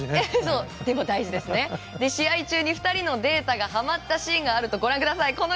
試合中に２人のデータがはまったシーンがあるとご覧ください。